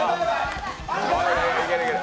いけるいける。